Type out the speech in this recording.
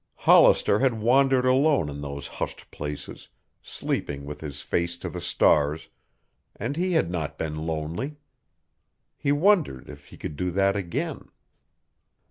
Hollister had wandered alone in those hushed places, sleeping with his face to the stars, and he had not been lonely. He wondered if he could do that again.